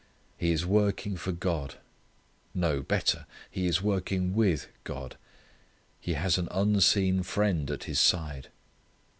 He is working for God. No, better, he is working with God. He has an unseen Friend at his side.